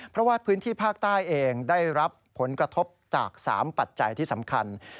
เพราะว่าพื้นที่ภาคใต้เองได้รับผลกระทบจาก๓ปัจจัยที่สำคัญ